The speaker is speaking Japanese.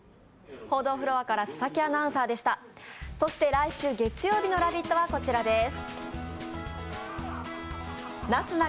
来週月曜日の「ラヴィット！」はこちらです。